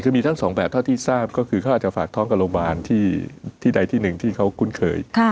คือมีทั้งสองแบบเท่าที่ทราบก็คือเขาอาจจะฝากท้องกับโรงพยาบาลที่ใดที่หนึ่งที่เขาคุ้นเคย